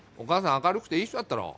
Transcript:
明るくていい人だったろ？